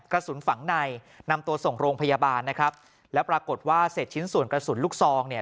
กระสุนฝังในนำตัวส่งโรงพยาบาลนะครับแล้วปรากฏว่าเศษชิ้นส่วนกระสุนลูกซองเนี่ย